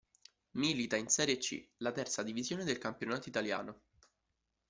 Milita in Serie C, la terza divisione del campionato italiano.